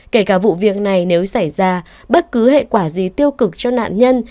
kể cả vụ việc này nếu xảy ra bất cứ hệ quả gì tiêu cực cho nạn nhân